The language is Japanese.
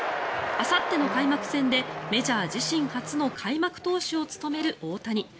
あさっての開幕戦でメジャー自身初の開幕投手を務める大谷。